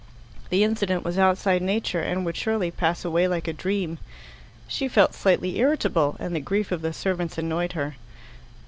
The incident was outside nature, and would surely pass away like a dream. She felt slightly irritable, and the grief of the servants annoyed her.